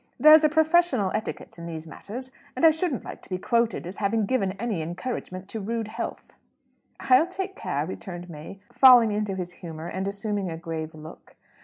There's a professional etiquette in these matters; and I shouldn't like to be quoted as having given any encouragement to rude health." "I'll take care," returned May, falling into his humour, and assuming a grave look.